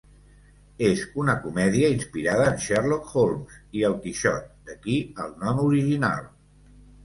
És una comèdia inspirada en Sherlock Holmes i el Quixot, d'aquí el nom original.